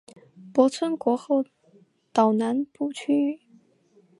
泊村国后岛南部区域。